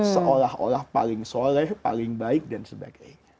seolah olah paling soleh paling baik dan sebagainya